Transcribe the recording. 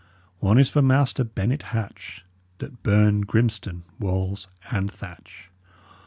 One is for Maister Bennet Hatch, That burned Grimstone, walls and thatch.